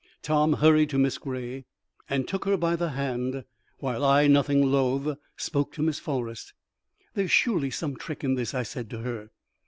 Tom hurried to Miss Gray, and took her by the hand, while I, nothing loth, spoke to Miss Forrest. "There's surely some trick in this," I said to her.